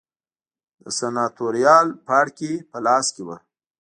د سناتوریال پاړکي په لاس کې و